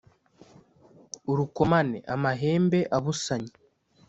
urukomane: amahembe abusanye;